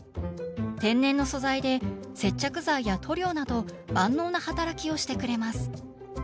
天然の素材で接着剤や塗料など万能な働きをしてくれます。